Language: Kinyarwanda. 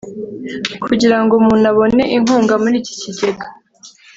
Kugira ngo umuntu abone inkunga muri iki kigega